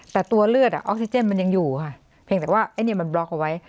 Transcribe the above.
แต่ตัวเลือดออกซิเจนมันยังอยู่ค่ะเพียงแต่ว่าไอ้เนี่ยมันบล็อกเอาไว้